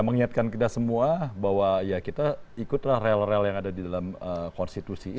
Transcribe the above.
mengingatkan kita semua bahwa ya kita ikutlah rel rel yang ada di dalam konstitusi ini